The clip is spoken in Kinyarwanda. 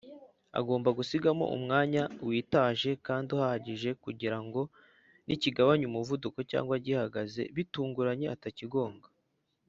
agomba gusigamo Umwanya witaje kandi uhagije kugira ngo nikigabanya umuvuduko cg gihagaze bitunguranye atacyigonga